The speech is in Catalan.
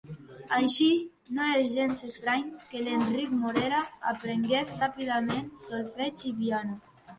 Així, no és gens estrany que l'Enric Morera aprengués ràpidament solfeig i piano.